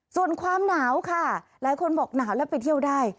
ส่วนความหนาวค่ะหลายคนบอกหนาวแล้วไปเที่ยวได้